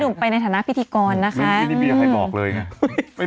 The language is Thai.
ุ่มไปในฐานะพิธีกรนะคะนี่ไม่มีใครบอกเลยไง